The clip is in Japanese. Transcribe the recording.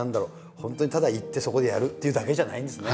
本当にただ行ってそこでやるっていうだけじゃないんですね。